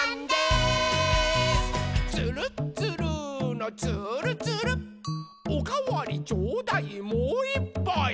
「つるっつるーのつーるつる」「おかわりちょうだいもういっぱい！」